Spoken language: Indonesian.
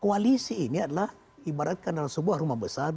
koalisi ini adalah ibaratkan dalam sebuah rumah besar